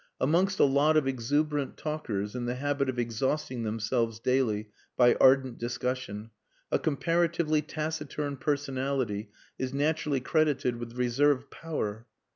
Amongst a lot of exuberant talkers, in the habit of exhausting themselves daily by ardent discussion, a comparatively taciturn personality is naturally credited with reserve power.